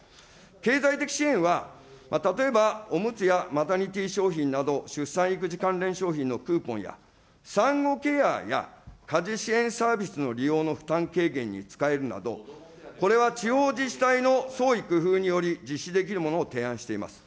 経済的支援は、例えばおむつやマタニティ商品など、出産育児関連商品のクーポンや、産後ケアや家事支援サービスの利用の負担軽減に使えるなど、これは地方自治体の創意工夫により実施できるものを提案しています。